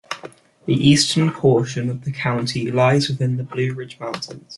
The eastern portion of the county lies within the Blue Ridge Mountains.